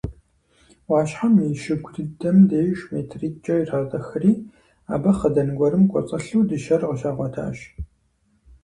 Ӏуащхьэм и щыгу дыдэм деж метритӏкӏэ иратӏыхри, абы хъыдан гуэрым кӏуэцӏылъу дыщэр къыщагъуэтащ.